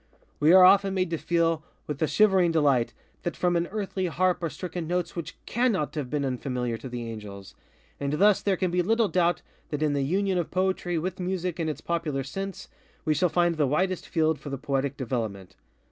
_We are often made to feel, with a shivering delight, that from an earthly harp are stricken notes which _cannot _have been unfamiliar to the angels. And thus there can be little doubt that in the union of Poetry with Music in its popular sense, we shall find the widest field for the Poetic development.